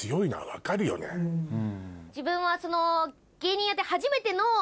自分は。